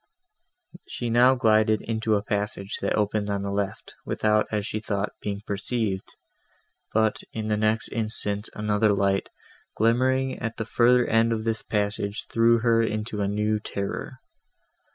She now glided into a passage, that opened on the left, without, as she thought, being perceived; but, in the next instant, another light, glimmering at the further end of this passage, threw her into new terror.